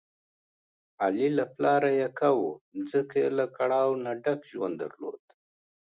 علي له پلاره یکه و، ځکه یې له کړاو نه ډک ژوند درلود.